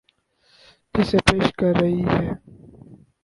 جسے پیش کر رہی ہیں